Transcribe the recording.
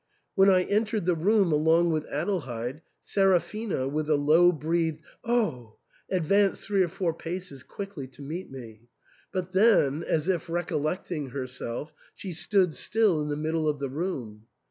When I entered the room along with Adelheid, Seraphina, with a low breathed " Oh !" ad vanced three or four paces quickly to meet me ; but then, as if recollecting herself, she stood still in the middle of the room.